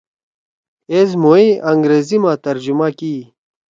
ایس مھوئے انگریزی ما ترجمہ کیئی